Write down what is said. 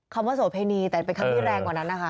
คำว่าโสเพณีแต่เป็นคำที่แรงกว่านั้นนะคะ